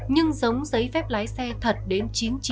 nhưng giống giấy phép lái xe thật đến chín mươi chín